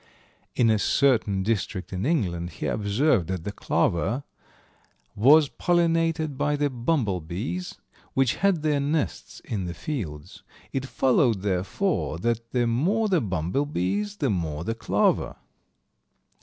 In a certain district in England he observed that the clover was pollinated by the bumblebees, which had their nests in the fields. It followed, therefore, that the more the bumblebees, the more the clover.